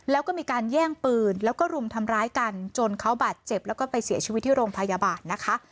แล้วก็มีการแย่งปืนแล้วก็รุมทำร้ายกันจนเขาบาดเจ็บแล้วก็ไปเสียชีวิตที่โรงพยาบาลนะคะ